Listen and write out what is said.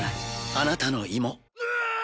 あなたの胃も。